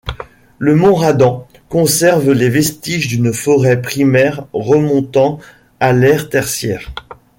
Le mont Radan conserve les vestiges d'une forêt primaire remontant à l'ère tertiaire.